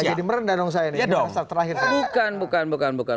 nggak jadi merendah dong saya